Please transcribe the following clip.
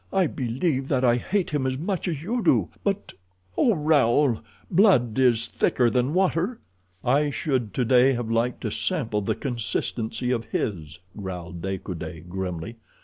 "I believe that I hate him as much as you do, but—Oh, Raoul, blood is thicker than water." "I should today have liked to sample the consistency of his," growled De Coude grimly.